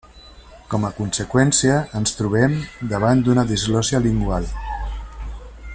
Com a conseqüència ens trobem davant una disglòssia lingual.